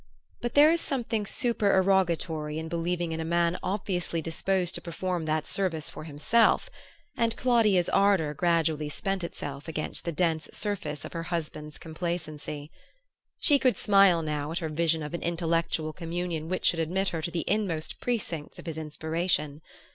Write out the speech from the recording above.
But there is something supererogatory in believing in a man obviously disposed to perform that service for himself; and Claudia's ardor gradually spent itself against the dense surface of her husband's complacency. She could smile now at her vision of an intellectual communion which should admit her to the inmost precincts of his inspiration.